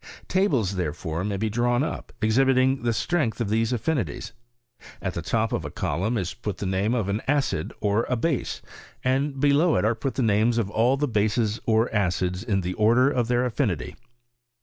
Tables, therefore, may be drawn up, exhibiting the strength of these affini ties. At the top of a column is put the name of an acid or a base, and below it are put the names of all the bases or acids in the order of their affinity.